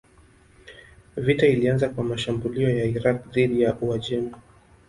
Vita ilianza kwa mashambulio ya Irak dhidi ya Uajemi.